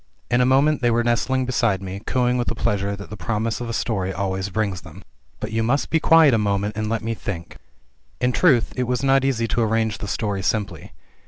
In a moment they were nestling beside me, cooing with the pleas ure that the promise of a story always brings them. 6 INTRODUCTION. "But you must be quiet a moment, and let me think." In trjLith it was not easy to arrange the story simply.